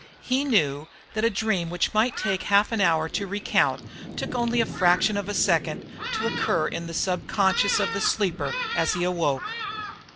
He knew that a dream which might take half an hour to recount took only a fraction of a second to occur in the sub conscious of the sleeper as he awoke.